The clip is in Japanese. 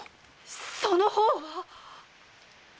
その方は！